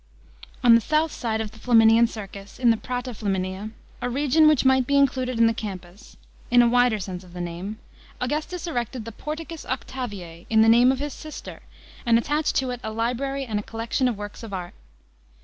On the south side of the Flaminian Circus, in the Prata Flarninia, a region which might be included in the Campus, in a wMer sense of the name, Augustus erected the Fort cus Octavias in the name of his sister, and attached to it a library ami a Collection of works of art.